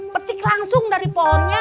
petik langsung dari pohonnya